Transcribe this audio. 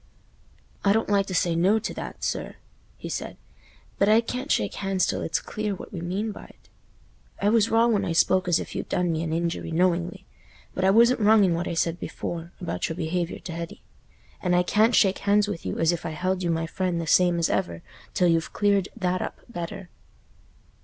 "I don't like to say 'No' to that, sir," he said, "but I can't shake hands till it's clear what we mean by't. I was wrong when I spoke as if you'd done me an injury knowingly, but I wasn't wrong in what I said before, about your behaviour t' Hetty, and I can't shake hands with you as if I held you my friend the same as ever till you've cleared that up better."